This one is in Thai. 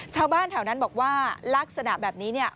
ชาวบ้านแถวนั้นบอกว่าลักษณะแบบนี้เนี่ย